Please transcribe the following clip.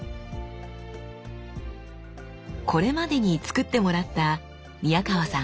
これまでにつくってもらった宮川さん